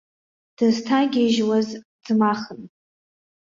Дызҭагьежьуаз ӡмахын.